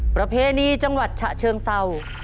ประเพณีจังหวัดฉะเชิงเศร้า